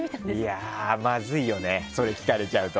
いやまずいよねそれ聞かれちゃうと。